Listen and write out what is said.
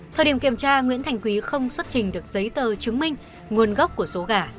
thời điểm kiểm tra nguyễn thành quý không xuất trình được giấy tờ chứng minh nguồn gốc của số gà